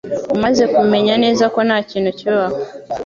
Umaze kumenya neza ko ntakintu kibaho